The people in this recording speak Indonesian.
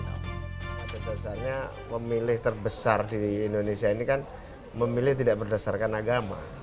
pada dasarnya pemilih terbesar di indonesia ini kan memilih tidak berdasarkan agama